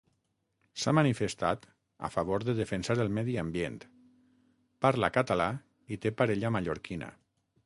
S'ha manifestat a favor de defensar el medi ambient, parla català i té parella mallorquina.